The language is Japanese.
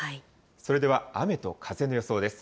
それでは雨と風の予想です。